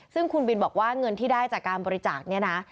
ซึ่งคุณบินบอกว่าเงินที่ได้จากการบริจาคเนี่ยนะ